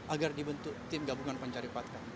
agar dibentuk timgabungan pencari fakta